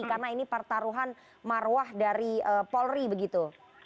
karena ini pertaruhan maruah dari polri begitu